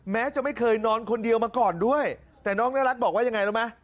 แม้จะไม่เคยนอนคนเดียวมาก่อนด้วยแต่น้องนรัฐบอกว่ายังไงรู้ไหม